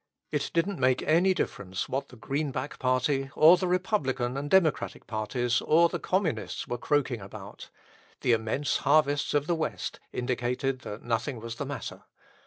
It didn't make any difference what the Greenback party, or the Republican and Democratic parties, or the Communists were croaking about; the immense harvests of the West indicated that nothing was the matter.